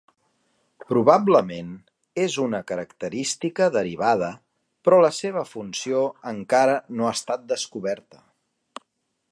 Probablement és una característica derivada, però la seva funció encara no ha estat descoberta.